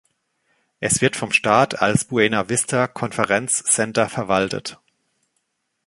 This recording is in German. Es wird vom Staat als Buena Vista Konferenz-Center verwaltet.